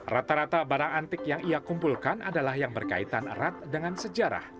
rata rata barang antik yang ia kumpulkan adalah yang berkaitan erat dengan sejarah